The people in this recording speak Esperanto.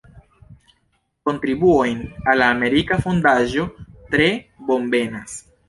Kontribuojn al la Amerika Fondaĵo tre bonvenas!